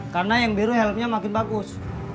karena yang biru helmnya makin bagus